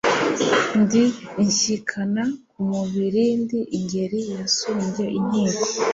Ndi Inshyikana ku mubiriNdi ingeri yasumbye inkiko.